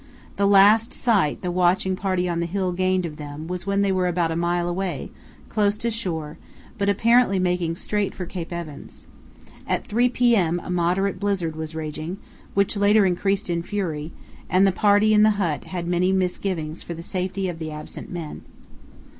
The last sight the watching party on the hill gained of them was when they were about a mile away, close to the shore, but apparently making straight for Cape Evans. At 3 p.m. a moderate blizzard was raging, which later increased in fury, and the party in the hut had many misgivings for the safety of the absent men.